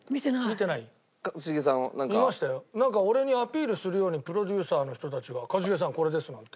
なんか俺にアピールするようにプロデューサーの人たちが「一茂さんこれです」なんて。